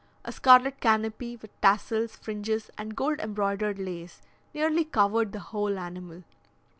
A scarlet canopy, with tassels, fringes, and gold embroidered lace, nearly covered the whole animal.